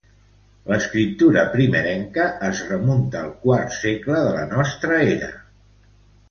L'escriptura primerenca es remunta al quart segle de la nostra era.